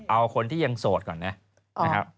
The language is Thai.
เอาคนที่ยังโสดก่อนเนี่ย